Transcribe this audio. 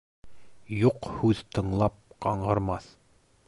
Юҡ һүҙ тыңлап ҡаңғырмаҫ;